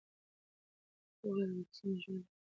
هغې وویل واکسین ژوند ژغورلی شي.